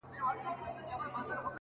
• داسي په ماښام سترگي راواړوه ـ